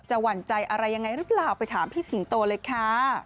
หวั่นใจอะไรยังไงหรือเปล่าไปถามพี่สิงโตเลยค่ะ